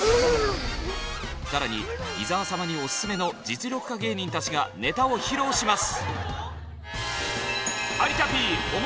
更に伊沢様にオススメの実力派芸人たちがネタを披露します。